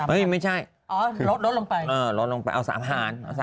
เอ้ยไม่ใช่เออลดลงไปเอา๓หาร